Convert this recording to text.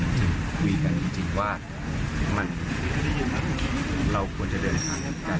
มันจะคุยกันจริงว่าเราควรจะเดินทางด้วยกัน